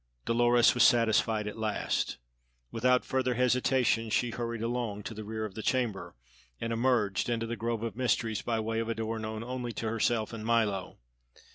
Dolores was satisfied at last. Without further hesitation she hurried along to the rear of the chamber and emerged into the Grove of Mysteries by way of a door known only to herself and Milo.